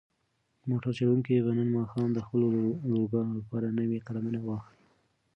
موټر چلونکی به نن ماښام د خپلو لورګانو لپاره نوې قلمونه واخلي.